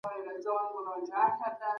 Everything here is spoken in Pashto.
د زعفرانو هر فصل.